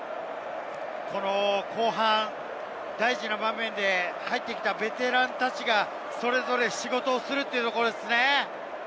後半、大事な場面で入ってきたベテランたちがそれぞれ仕事をするということですね。